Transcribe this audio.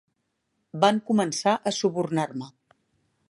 Van començar a subornar-me!